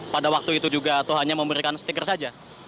pada waktu itu juga atau hanya memberikan stiker saja